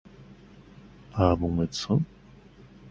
Un bon médecin.